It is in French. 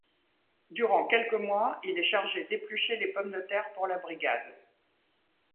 Durant quelques mois, il est chargé d’éplucher les pommes de terre pour la brigade.